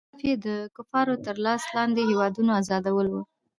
هدف یې د کفارو تر لاس لاندې هیوادونو آزادول وو.